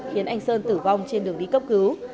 khiến anh sơn tử vong trên đường đi cấp cứu